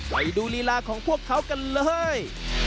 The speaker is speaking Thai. ไปดูลีลาของพวกเขากันเลย